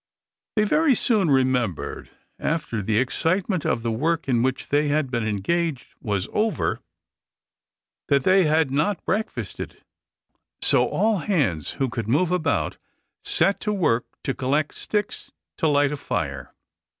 They very soon remembered, after the excitement of the work in which they had been engaged was over, that they had not breakfasted; so all hands who could move about set to work to collect sticks to light a fire.